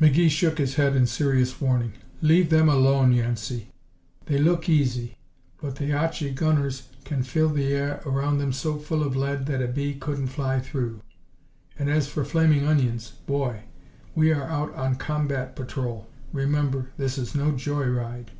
McGee shook his head in serious warning. "Leave them alone, Yancey. They look easy, but the Archie gunners can fill the air around 'em so full of lead that a bee couldn't fly through. And as for flaming onions boy! We are out on combat patrol, remember. This is no joy ride."